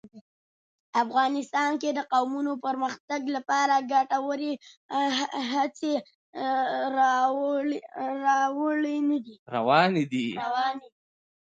افغانستان کې د قومونه د پرمختګ لپاره ګټورې هڅې روانې دي.